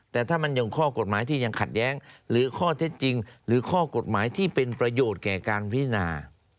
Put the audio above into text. แต่ถ้ามันยังข้อกฎหมายที่ยังขัดแย้งหรือข้อเท็จจริงหรือข้อกฎหมายที่เป็นประโยชน์แก่การพินา